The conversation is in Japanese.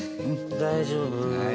大丈夫。